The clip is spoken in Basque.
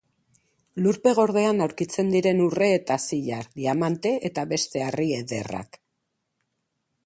Lurpe gordean aurkitzen diren urre eta zilar, diamante eta beste harri ederrak.